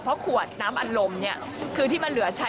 เพราะขวดน้ำอารมณ์เนี่ยคือที่มันเหลือใช้